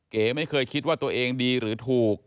ไม่เคยคิดว่าตัวเองดีหรือถูก